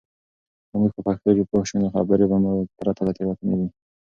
که موږ په پښتو پوه شو، نو خبرې به مو پرته له تېروتنې وي.